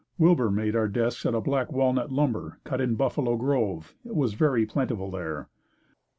Wilbur made our desks out of black walnut lumber, cut in Buffalo Grove. It was very plentiful there.